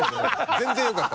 全然良かった。